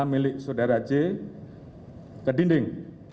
milik saudara j ke dinding